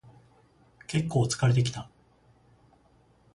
けっこう疲れてきた